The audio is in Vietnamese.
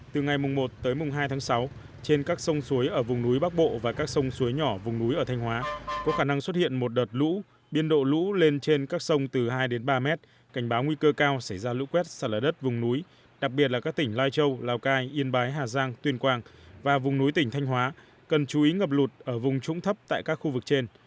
từ ngày một đến ngày hai tháng sáu trên các sông suối ở vùng núi bắc bộ và các sông suối nhỏ vùng núi ở thanh hóa có khả năng xuất hiện một đợt lũ biên độ lũ lên trên các sông từ hai đến ba m cảnh báo nguy cơ cao xảy ra lũ quét sạt lờ đất vùng núi đặc biệt là các tỉnh lai châu lào cai yên bái hà giang tuyên quang và vùng núi tỉnh thanh hóa cần chú ý ngập lụt ở vùng trũng thấp tại các khu vực trên